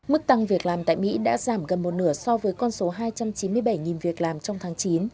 mức tăng việc làm tại mỹ đã giảm gần một nửa so với con số hai trăm chín mươi bảy việc làm trong tháng chín